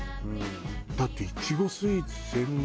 だっていちごスイーツ専門。